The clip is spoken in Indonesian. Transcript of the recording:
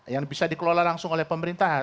yang bisa dikelola langsung oleh pemerintahan